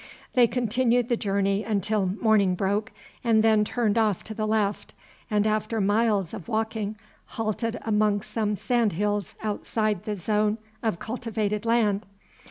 They continued the journey until morning broke, and then turned off to the left, and after miles of walking halted among some sand hills outside the zone of cultivated land.